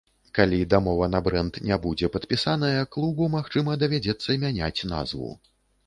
Калі дамова на брэнд не будзе падпісаная, клубу, магчыма, давядзецца мяняць назву.